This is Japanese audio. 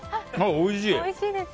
おいしい！